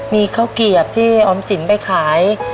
มีข้าวเกียบที่ออมสินไปขาย